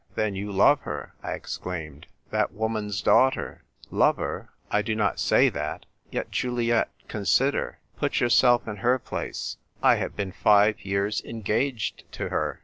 " Then you love her !" I exclaimed ;" that woman's daughter !"" Love her ? I do not say that. Yet, Juliet, consider ; put yourself in her place : I have been five years engaged to her